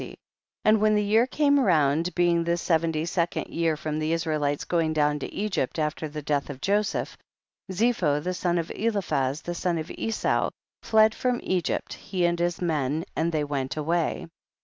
1 . And when the year came round, being the seventy second year from the Israelites going down to Egypt, after the death of Joseph, Zepho, the son of Eliphaz, the son of Esau, fled from Egypt, he and his men, and they went away.